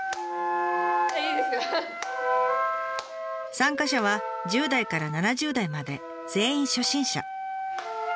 参加者は１０代から７０代まで全員初心者。